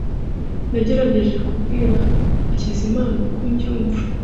Nagerageje kubwira Hakizimana uko mbyumva.